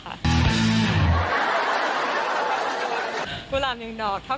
เข้ากับมีมุมคนเดียวในใจ